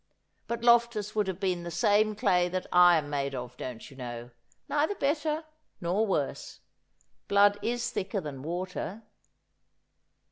But Lof tus would have been the same clay that I am made of, don't you know, neither better nor worse. Blood is thicker than water.'